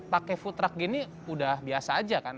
pakai food truck gini udah biasa aja kan